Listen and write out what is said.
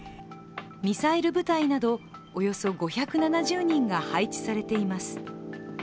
ミサイル部隊など、およそ５７０人が配置されています。